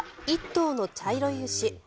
１頭の茶色い牛。